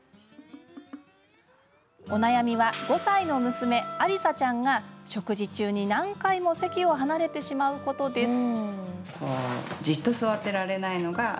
悩みは、５歳の娘、有沙ちゃんが食事中に何回も席を離れてしまうことです。